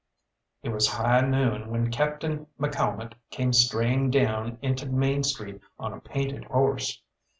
It was high noon when Captain McCalmont came straying down into Main Street on a "painted" horse.